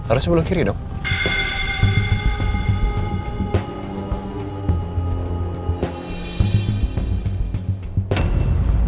harusnya belok kiri dong